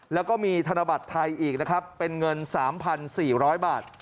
แล้วก็มีธนบัตรไทยอีกนะครับเป็นเงิน๓๔๐๐บาท